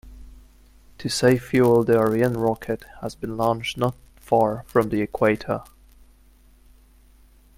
To save fuel, the Ariane rocket has been launched not far from the equator.